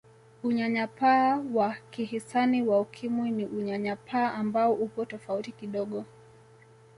Unyanyapaa wa kihisani wa Ukimwi ni Unyanyapaa ambao upo tofauti kidogo